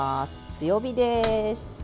強火です。